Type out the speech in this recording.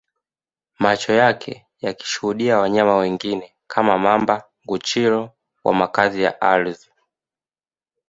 Macho yake yakishuhudia wanyama wengine kama Mamba Nguchiro wa makazi ya ardhi